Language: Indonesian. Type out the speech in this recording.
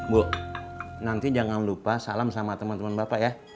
bu nanti jangan lupa salam sama teman teman bapak ya